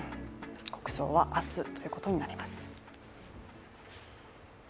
国葬は明日ということになります。